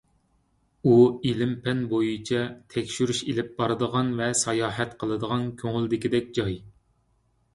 ئۇ، ئىلىم-پەن بويىچە تەكشۈرۈش ئېلىپ بارىدىغان ۋە ساياھەت قىلىدىغان كۆڭۈلدىكىدەك جاي.